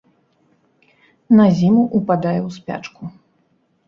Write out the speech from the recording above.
На зіму ўпадае ў спячку.